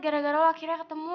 gara gara akhirnya ketemu